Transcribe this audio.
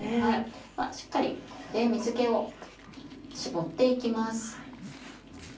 しっかりここで水気を絞って行きます。